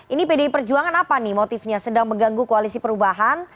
ini pdi perjuangan apa nih motifnya sedang mengganggu koalisi perubahan